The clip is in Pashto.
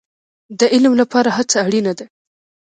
د علم لپاره هڅه اړین ده